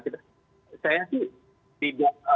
saya sih tidak